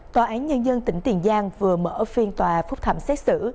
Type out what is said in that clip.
tòa án nhân dân tỉnh tiền giang vừa mở phiên tòa phúc thẩm xét xử